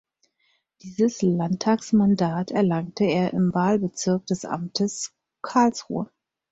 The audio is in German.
Dieses Landtagsmandat erlangte er im Wahlbezirk des Amtes Karlsruhe.